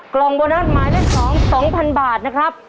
กล่องโบนัสหมายเลข๒๒๐๐๐บาทนะครับ